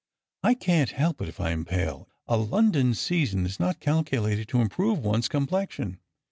I can't help it if I am pale : a London season is not calculated to improve one's complexion.